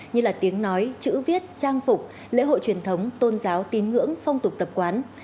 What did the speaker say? như là tiếng nói chữ viết trang phục lễ hội truyền thống tôn giáo tín ngưỡng phong tục tập quán